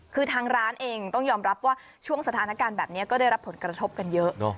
คือทางร้านเองต้องยอมรับว่าช่วงสถานการณ์แบบนี้ก็ได้รับผลกระทบกันเยอะ